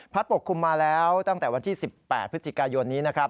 ปกคลุมมาแล้วตั้งแต่วันที่๑๘พฤศจิกายนนี้นะครับ